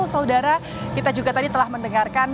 saudara kita juga tadi telah mendengarkan